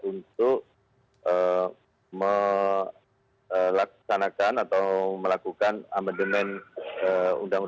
untuk melaksanakan atau melakukan amandemen uu empat puluh lima